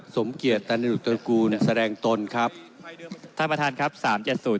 สมเกียรติตนตนกูลแสดงตนครับท่านประธานครับสามเจ็ดสุด